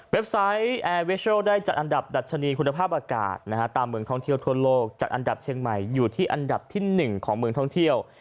ไซต์แอร์เวชัลได้จัดอันดับดัชนีคุณภาพอากาศตามเมืองท่องเที่ยวทั่วโลกจัดอันดับเชียงใหม่อยู่ที่อันดับที่๑ของเมืองท่องเที่ยว